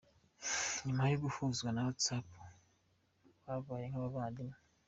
Nyuma yo guhuzwa na Whatsapp babaye nk'abavandimwe.